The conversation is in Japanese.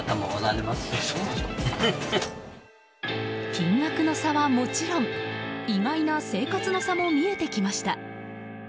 金額の差はもちろん意外な生活の差も見えてきました。